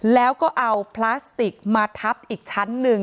แล้วก็เอาพลาสติกมาทับอีกชั้นหนึ่ง